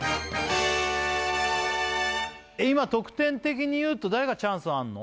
今得点的にいうと誰がチャンスあるの？